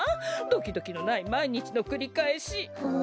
ドキドキのないまいにちのくりかえし。